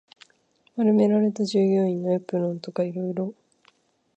丸められた従業員用のエプロンとか色々